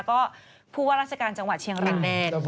ก็ผู้ว่าราชการจังหวัดเชียงราย